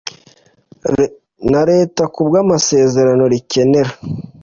na Leta ku bw amasezerano rikenera